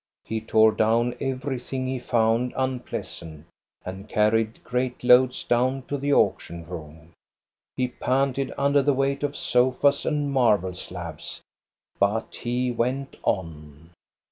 He tore down everything he found unpleasant, and carried great loads down to the auction room. He panted under the weight of sofas and marble slabs ; but he went on.